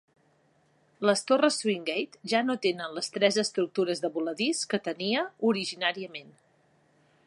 Les torres Swingate ja no tenen les tres estructures de voladís que tenia originàriament.